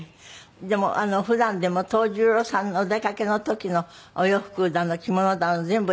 でも普段でも藤十郎さんのお出かけの時のお洋服だの着物だの全部選んでらしたんですって？